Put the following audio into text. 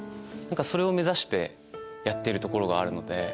それを目指してやってるところがあるので。